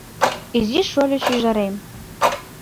Изи шольо-шӱжарем